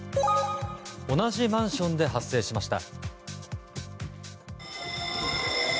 同じマンションで発生しました。